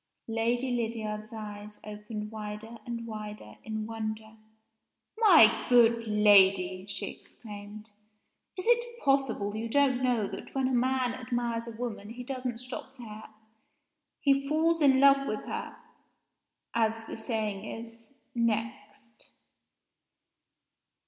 Lady Lydiard's eyes opened wider and wider in wonder. "My good lady!" she exclaimed, "is it possible you don't know that when a man admires a women he doesn't stop there? He falls in love with her (as the saying is) next."